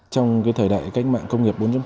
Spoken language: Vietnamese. trong thời đại cách mạng công nghiệp bốn